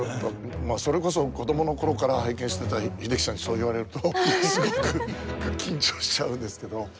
まあそれこそ子供の頃から拝見してた英樹さんにそう言われるとすごく緊張しちゃうんですけど。